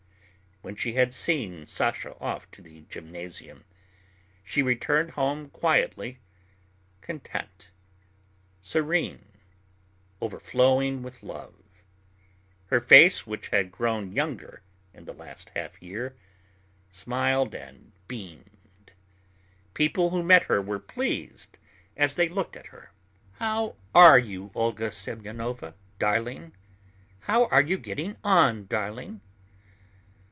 When she had seen Sasha off to the gymnasium, she returned home quietly, content, serene, overflowing with love. Her face, which had grown younger in the last half year, smiled and beamed. People who met her were pleased as they looked at her. "How are you, Olga Semyonovna, darling? How are you getting on, darling?"